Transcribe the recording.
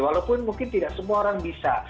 walaupun mungkin tidak semua orang bisa